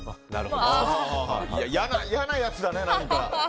嫌なやつだね、何か。